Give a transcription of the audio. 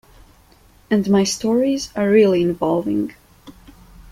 And my stories are really involving.